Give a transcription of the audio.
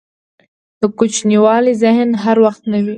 دکوچنیوالي ذهن هر وخت نه وي.